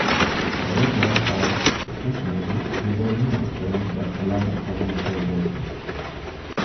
Carrier-borne pilots of the French navy do their initial training at Salon-de-Provence Air Base.